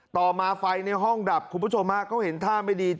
ต่อมาไฟในห้องดับคุณผู้ชมฮะเขาเห็นท่าไม่ดี